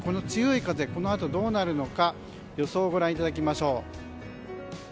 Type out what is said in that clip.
強い風このあとどうなるのか予想をご覧いただきましょう。